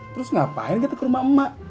terus ngapain kita ke rumah emak emak